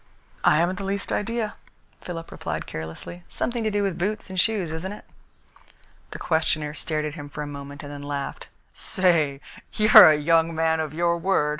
"I haven't the least idea," Philip replied carelessly. "Something to do with boots and shoes, isn't it?" His questioner stared at him for a moment and then laughed. "Say, you're a young man of your word!"